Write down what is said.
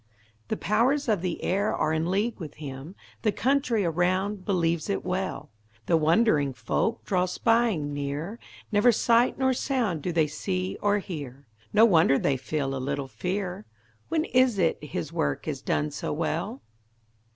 The powers of the air are in league with him; The country around believes it well; The wondering folk draw spying near; Never sight nor sound do they see or hear; No wonder they feel a little fear; When is it his work is done so well?